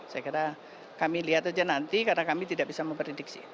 saya kira kami lihat aja nanti karena kami tidak bisa memprediksi